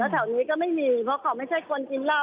แถวนี้ก็ไม่มีเพราะเขาไม่ใช่คนกินเหล้า